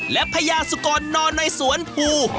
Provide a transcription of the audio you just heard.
และพญาสุกรนอนในสวนภู